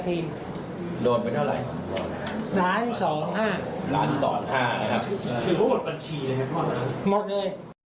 หมดเลย